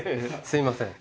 すいません。